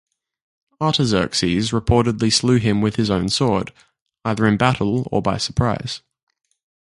Artaxerxes reportedly slew him with his own sword, either in battle or by surprise.